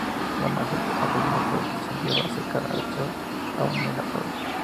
La masa aplanada se lleva a secar al sol, aún en la tabla.